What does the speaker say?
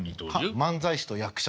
漫才師と役者。